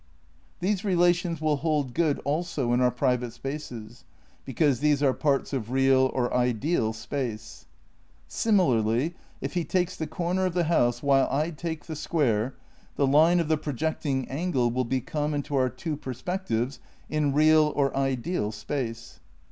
These relations will hold good also in our private spaces because these are parts of real (or ideal) space. Similarly, if he takes the comer of the house while I take the square, the line of the projecting angle will be common to our two perspectives in real (or ideal) space.